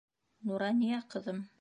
Нурания ҡыҙым!